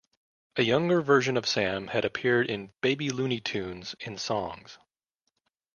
A younger version of Sam had appeared in "Baby Looney Tunes", in songs.